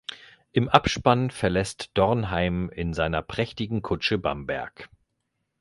Im Abspann verlässt Dornheim in seiner prächtigen Kutsche Bamberg.